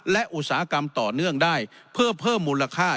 และอุตสาหกรรมต่อเนื่องได้เพื่อเพิ่มมูลค่า